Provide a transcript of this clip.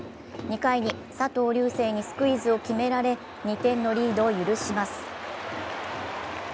２回に佐藤龍世にスクイズを決められ２点のリードを許します。